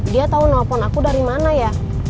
dia tahu nelfon aku dari mana ya